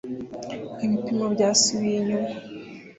ibipimo byasubiye inyuma